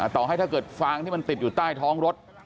ต่อให้ถ้าเกิดฟางที่มันติดอยู่ใต้ท้องรถ